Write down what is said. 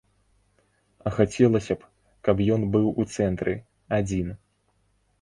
А хацелася б, каб ён быў у цэнтры, адзін.